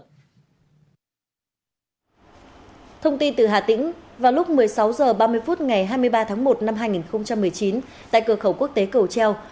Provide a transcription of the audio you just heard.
bốn h ba mươi phút ngày hai mươi ba tháng một năm hai nghìn một mươi chín tại cửa khẩu quốc tế cầu treo